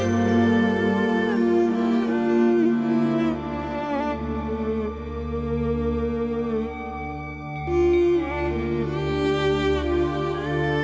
เถอะดูเรื่องหนึ่งคุณกลับไปว่าพี่ก็เห็นพี่